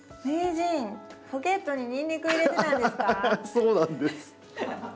そうなんです。